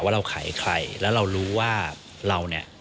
เราขายใครแล้วเรารู้ว่าเราเนี่ย